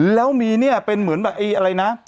แล้วมีเนี่ยเป็นเหมือนแบบไอ้อะไรนะ